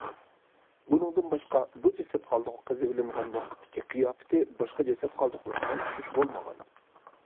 بۇنىڭدىن باشقا، بۇ جەسەت قالدۇقى قېزىۋېلىنغان ۋاقىتتىكى قىياپىتى باشقا جەسەت قالدۇقلىرى بىلەن ئوخشاش بولمىغان.